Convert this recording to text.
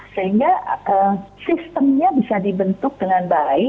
sehingga sistemnya bisa dibentuk dengan baik